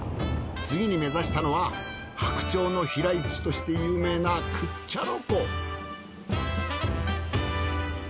次に目指したのは白鳥の飛来地として有名なクッチャロ湖。